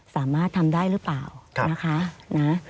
สามารถทำได้หรือเปล่านะคะนะ